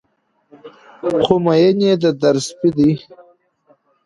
خو مين يې د در سپى دى